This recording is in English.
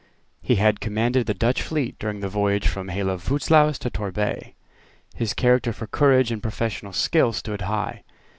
He had commanded the Dutch fleet during the voyage from Helvoetsluys to Torbay. His character for courage and professional skill stood high.